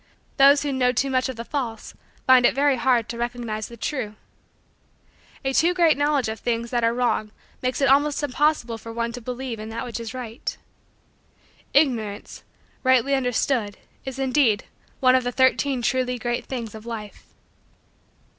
Those who know too much of the false find it very hard to recognize the true. A too great knowledge of things that are wrong makes it almost impossible for one to believe in that which is right. Ignorance, rightly understood, is, indeed, one of the Thirteen Truly Great Things of Life.